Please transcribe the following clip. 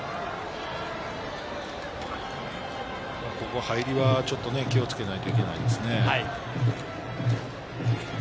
ここ、入りは気をつけないといけないですね。